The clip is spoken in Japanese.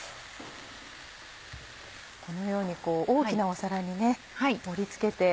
このように大きな皿に盛り付けて。